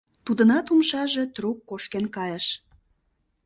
Тудынат умшаже трук кошкен кайыш.